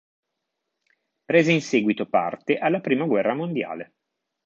Prese in seguito parte alla Prima guerra mondiale.